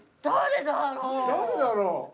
誰だろう？